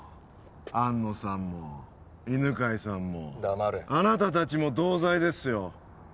安野さんも犬飼さんも黙れあなた達も同罪ですよ